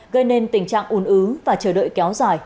gây nên tình trạng ủn ứ và chờ đợi kéo dài